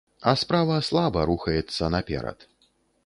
А справа слаба рухаецца наперад.